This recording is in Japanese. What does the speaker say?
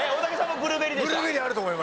ブルーベリーあると思いました。